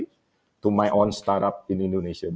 untuk startup sendiri di indonesia